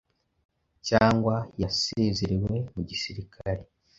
cyangwa yasezerewe mu gisirikare,